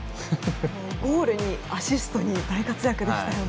ゴールにアシストに大活躍でしたよね。